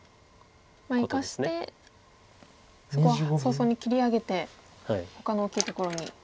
まあ生かしてそこは早々に切り上げてほかの大きいところに。